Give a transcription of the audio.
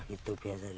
kedelainya pada hujan